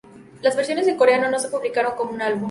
Las versiones en coreano no se publicaron como un álbum.